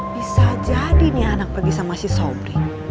bisa jadi nih anak pergi sama si sobri